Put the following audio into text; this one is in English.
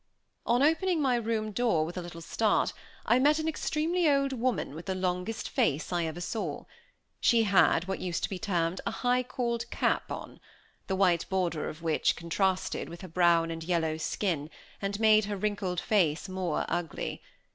On opening my room door, with a little start, I met an extremely old woman with the longest face I ever saw; she had what used to be termed a high cauld cap on, the white border of which contrasted with her brown and yellow skin, and made her wrinkled face more ugly.